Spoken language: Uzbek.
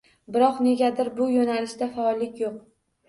Biroq, negadir bu yo'nalishda faollik yo'q